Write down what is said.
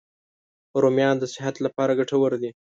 رومیان د صحت لپاره ګټور دي